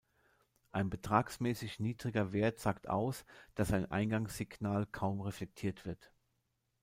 Ein betragsmäßig niedriger Wert sagt aus, dass ein Eingangssignal kaum reflektiert wird.